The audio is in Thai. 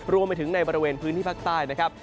รวมไปถึงในบริเวณพื้นที่ภาคใต้นะครับ